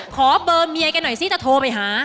ขอเบอร์เมียแกหน่อยซิจะโทรไปหา